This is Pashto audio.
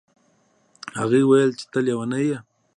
هغې وویل چې ته لیونی یې.